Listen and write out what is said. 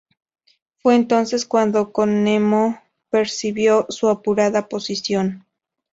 Fue entonces cuando Comneno percibió su apurada posición.